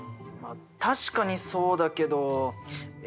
まあ確かにそうだけど。